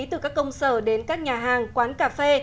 từ các công sở đến các nhà hàng quán cà phê